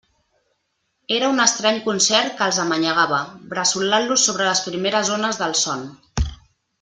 Era un estrany concert que els amanyagava, bressolant-los sobre les primeres ones del son.